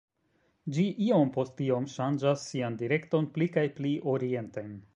Ĝi iom post iom ŝanĝas sian direkton pli kaj pli orienten.